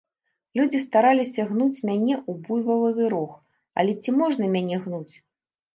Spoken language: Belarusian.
Людзі стараліся гнуць мяне ў буйвалавы рог, але ці можна мяне гнуць?